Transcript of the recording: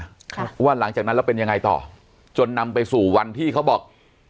ค่ะว่าหลังจากนั้นแล้วเป็นยังไงต่อจนนำไปสู่วันที่เขาบอก